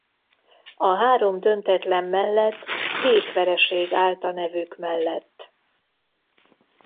A három döntetlen mellett hét vereség állt a nevük mellett.